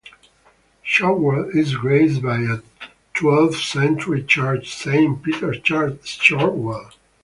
Shorwell is graced by a twelfth-century church, Saint Peter's Church, Shorwell.